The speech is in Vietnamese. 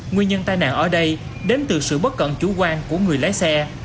nguyên nhân tai nạn ở đây đến từ sự bất cẩn chủ quan của người lái xe